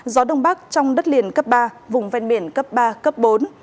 gió đông bắc trong đất liền cấp ba vùng ven biển cấp ba cấp bốn